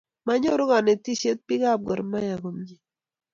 Manyoru kanetishet pik ab gormahia komie